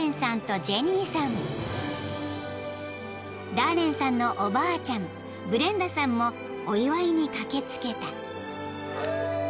［ダーレンさんのおばあちゃんブレンダさんもお祝いに駆け付けた］